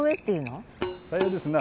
さようですな。